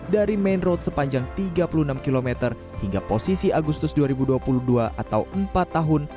dari main road sepanjang tiga puluh enam km hingga posisi agustus dua ribu dua puluh dua atau empat tahun